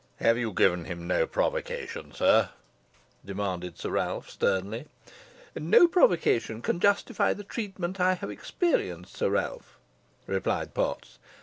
"Have you given him no provocation, sir?" demanded Sir Ralph, sternly. "No provocation can justify the treatment I have experienced, Sir Ralph," replied Potts.